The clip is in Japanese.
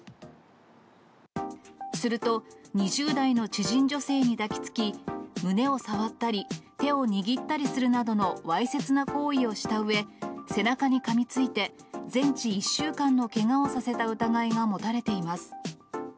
すると、２０代の知人女性に抱きつき、胸を触ったり手を握ったりするなどのわいせつな行為をしたうえ、背中にかみついて、全治１週間のけがをさせた疑いが持たれています。